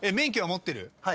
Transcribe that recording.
はい。